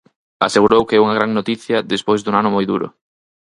Asegurou que é unha gran noticia despois dun ano moi duro.